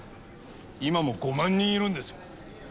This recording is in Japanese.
今も５万人いるんですよ。